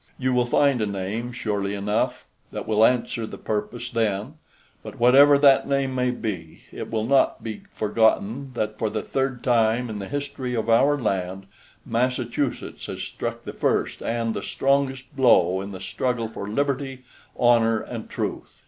You will find a name, surely enough, that will answer the purpose then; but whatever that name may be, it will not be forgotten that, for the third time in the history of our land, Massachusetts has struck the first and the strongest blow in the struggle for liberty, honor, and truth."